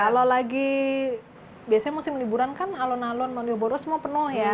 kalau lagi biasanya musim liburan kan alon alon monioboro semua penuh ya